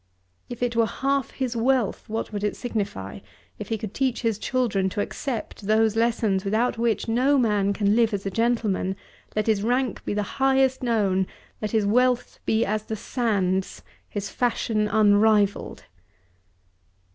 If it were half his wealth, what would it signify if he could teach his children to accept those lessons without which no man can live as a gentleman, let his rank be the highest known, let his wealth be as the sands, his fashion unrivalled?